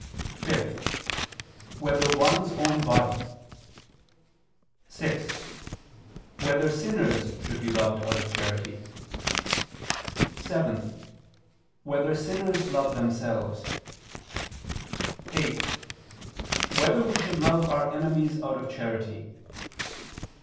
(5) Whether one's own body? (6) Whether sinners should be loved out of charity? (7) Whether sinners love themselves? (8) Whether we should love our enemies out of charity?